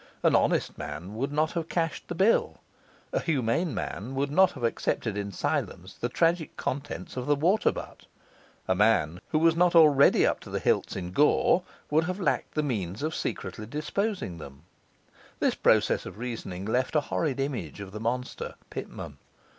An honest man would not have cashed the bill; a humane man would not have accepted in silence the tragic contents of the water butt; a man, who was not already up to the hilts in gore, would have lacked the means of secretly disposing them. This process of reasoning left a horrid image of the monster, Pitman.